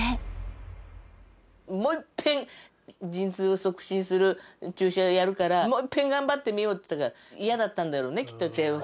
もういっぺん陣痛を促進する注射をやるからもういっぺん頑張ってみようって言ったからイヤだったんだろうねきっと帝王切開。